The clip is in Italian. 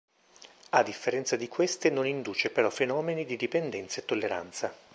A differenza di queste non induce però fenomeni di dipendenza e tolleranza.